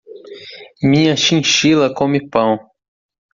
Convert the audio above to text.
Minha chinchila come pão.